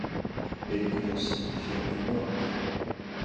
Elle est divorcée et vit actuellement à Ruggell.